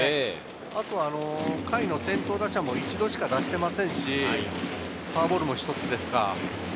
あとは下位の先頭打者も一度しか出していませんし、フォアボールも１つ。